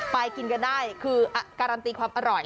ไปกินกันได้คือการันตีความอร่อย